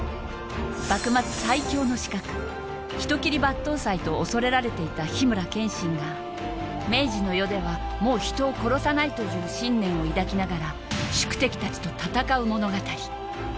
幕末最強の刺客人斬り抜刀斎と恐れられていた緋村剣心が明治の世ではもう人を殺さないという信念を抱きながら宿敵達と戦う物語